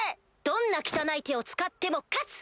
どんな汚い手を使っても勝つ！